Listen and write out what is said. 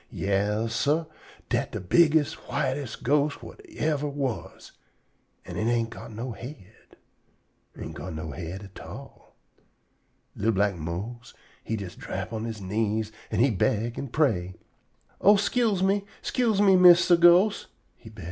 Yas, sah, dat de bigges', whites' ghost whut yever was. An' it ain't got no head. Ain't go no head at all. Li'l black Mose he jest drap on he knees an' he beg an' pray: "Oh, 'scuse me! 'Scuse me, Mistah Ghost!" he beg.